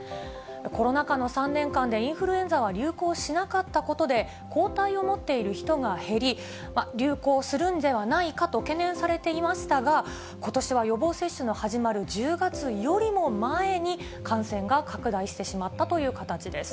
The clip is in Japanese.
コロナ禍の３年間でインフルエンザは流行しなかったことで、抗体を持っている人が減り、流行するんではないかと懸念されていましたが、ことしは予防接種の始まる１０月よりも前に、感染が拡大してしまったという形です。